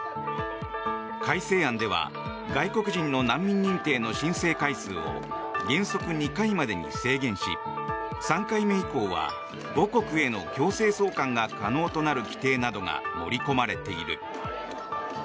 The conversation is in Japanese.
改正案では外国人の難民認定の申請回数を原則２回までに制限し３回目以降は母国への強制送還が可能となる規定などが盛り込まれている。